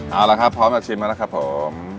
เอาละครับพร้อมจะชิมแล้วนะครับผม